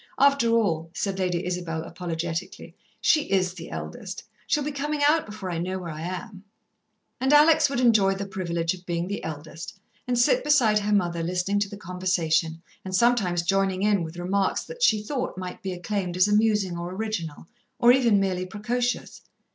After all," said Lady Isabel apologetically, "she is the eldest. She'll be comin' out before I know where I am!" And Alex would enjoy the privilege of being the eldest, and sit beside her mother, listening to the conversation, and sometimes joining in with remarks that she thought might be acclaimed as amusing or original, or even merely precocious.